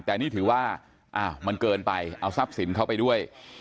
แต่นี่ถือว่ามันเกินไปเอาทรัพย์สินเข้าไปด้วย